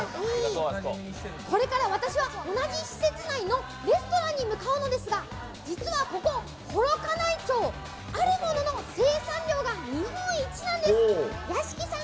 これから私は同じ施設内のレストランに向かうのですが、実はここ幌加内町、あるものの生産量が日本一なんです。